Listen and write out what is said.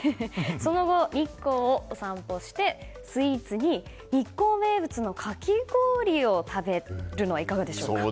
その後、日光を散歩してスイーツに、日光名物のかき氷を食べるのは、いかがでしょうか。